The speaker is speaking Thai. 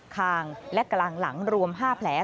คางและกลางหลังรวม๕แผล